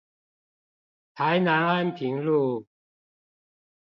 台南安平路